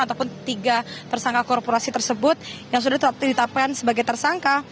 ataupun tiga tersangka korporasi tersebut yang sudah ditetapkan sebagai tersangka